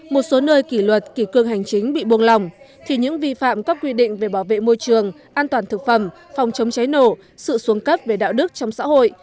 một số nơi kỷ luật kỷ cương hành chính bị buông lỏng thì những vi phạm các quy định về bảo vệ môi trường an toàn thực phẩm phòng chống cháy nổ sự xuống cấp về đạo đức trong xã hội